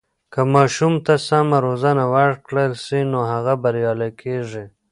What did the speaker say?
که ماشوم ته سمه روزنه ورکړل سي، نو هغه بریالی کیږي.